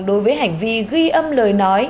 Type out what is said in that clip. đối với hành vi ghi âm lời nói